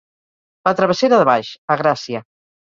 La Travessera de Baix, a Gràcia.